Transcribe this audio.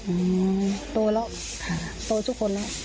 อืมโตแล้วค่ะโตทุกคนแล้ว